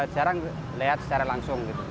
jarang lihat secara langsung